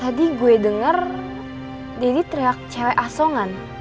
tadi gue denger daddy teriak cewek asongan